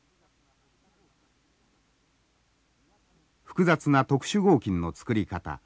複雑な特殊合金の作り方